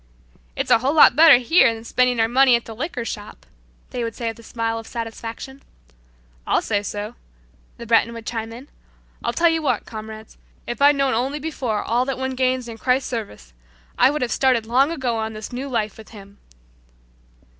"It's a whole lot better here than spending our money at the liquor shop," they would say with a smile of satisfaction. "I'll say so," the Breton would chime in. "I'll tell you what, comrades, if I'd known only before all that one gains in Christ's service, I would have started long ago on this new life with Him."